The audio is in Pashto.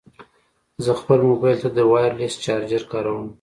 زه خپل مبایل ته د وایرلیس چارجر کاروم.